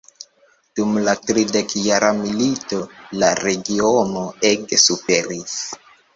Dum la tridekjara milito la regiono ege suferis.